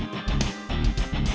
terima kasih chandra